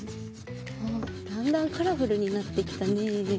あっだんだんカラフルになってきたね。